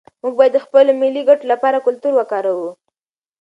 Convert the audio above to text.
موږ باید د خپلو ملي ګټو لپاره کلتور وکاروو.